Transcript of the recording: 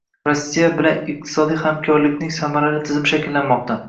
Rossiya bilan iqtisodiy hamkorlikning samarali tizimi shakllanmoqda